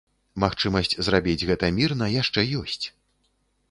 Магчымасць зрабіць гэта мірна яшчэ ёсць.